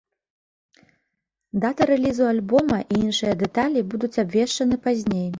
Дата рэлізу альбома і іншыя дэталі будуць абвешчаны пазней.